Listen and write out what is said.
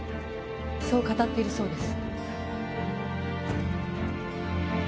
そう語っているそうです